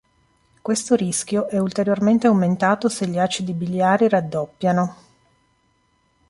Questo rischio è ulteriormente aumentato se gli acidi biliari raddoppiano.